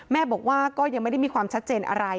แม่บอกว่าก็ยังไม่ได้มีความชัดเจนอะไร